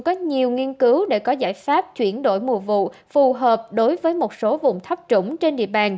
có nhiều nghiên cứu để có giải pháp chuyển đổi mùa vụ phù hợp đối với một số vùng thấp trũng trên địa bàn